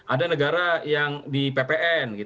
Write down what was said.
ada negara yang di ppn